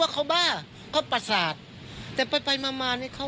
เขาเศษยา